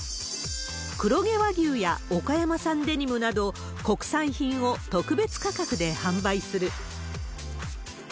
黒毛和牛や岡山産デニムなど、国産品を特別価格で販売する。